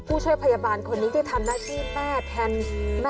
ผู้ช่วยพยาบาลเนี่ยเขาก็รับบทเป็นคุณแม่เฉพาะกิจเลี้ยงน้องไปบุญไป